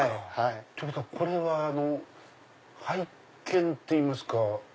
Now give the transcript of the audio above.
これは拝見っていいますか。